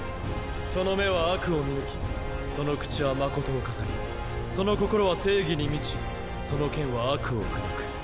「その眼は悪を見抜きその口は真を語りその心は正義に満ちその剣は悪を砕く」。